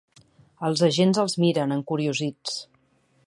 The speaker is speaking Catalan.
Els agents els miren, encuriosits.